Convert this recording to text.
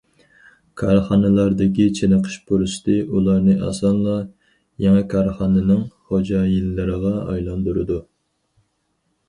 كارخانىلاردىكى چېنىقىش پۇرسىتى ئۇلارنى ئاسانلا يېڭى كارخانىنىڭ خوجايىنلىرىغا ئايلاندۇرىدۇ.